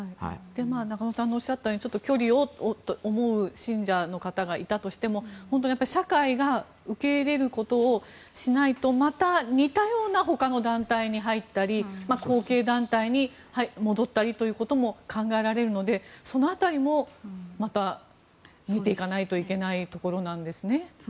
中野さんがおっしゃったようにちょっと距離をと思った信者の方がいたとしても社会が受け入れることをしないとまた似たような他の団体に入ったり後継団体に戻ったりということも考えられるのでその辺りも、また見ていかないといけないところなんですね。